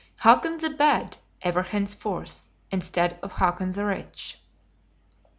"Hakon the Bad" ever henceforth, instead of Hakon the Rich.